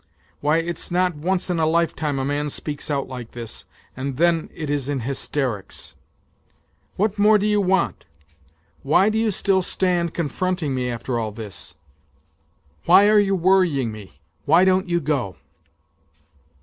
Why, it's not once in a lifetime a man speaks out like this, and then it is in hysterics !... What more do you want ? Why do you still stand confronting NOTES FROM UNDERGROUND 149 me, after all this ? Why are you worrying me ? Why don't you go